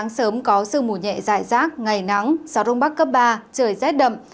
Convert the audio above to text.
gió sương mù nhẹ dài rác ngày nắng gió đông bắc cấp ba trời rét đậm